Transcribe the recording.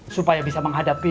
supaya bisa menghadapi